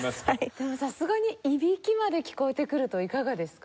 でもさすがにいびきまで聞こえてくるといかがですか？